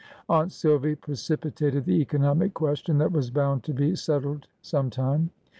Aunt Silvy precipitated the economic question that was bound to be settled sometime.